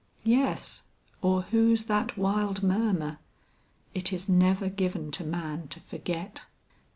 Yes, or whose that wild murmur, "Is it never given to man to forget!"